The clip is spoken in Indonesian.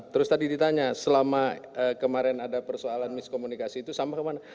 terus tadi ditanya selama kemarin ada persoalan miskomunikasi itu sama kemana